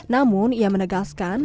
namun ia menegaskan